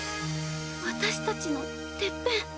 私たちのてっぺん。